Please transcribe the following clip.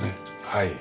はい。